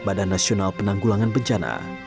badan nasional penanggulangan bencana